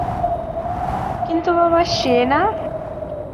কিন্তু বাবা সে না?